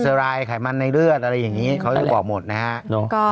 รายไขมันในเลือดอะไรอย่างนี้เขายังบอกหมดนะฮะ